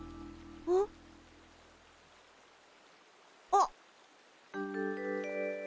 あっ。